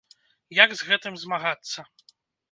Як з гэтым змагацца?